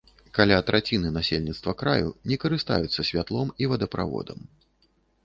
Каля траціны насельніцтва краю не карыстаюцца святлом і водаправодам.